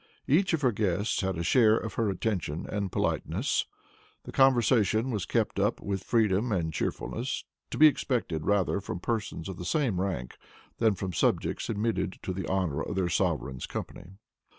Each of her guests had a share of her attention and politeness. The conversation was kept up with freedom and cheerfulness to be expected rather from persons of the same rank, than from subjects admitted to the honor of their sovereign's company."